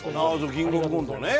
キングオブコントね。